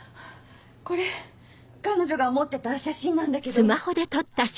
これ彼女が持ってた写真なんだけど。